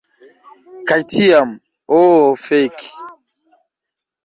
Kaj tiam... Oh fek!